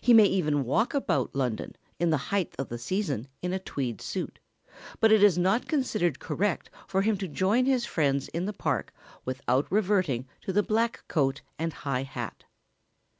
He may even walk about London in the height of the season in a tweed suit, but it is not considered correct for him to join his friends in the Park without reverting to the black coat and high hat.